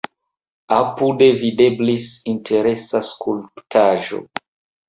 Apude videblis interesa skulptaĵo.